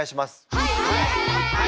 はい！